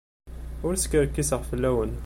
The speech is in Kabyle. Ur skerkiseɣ fell-awen.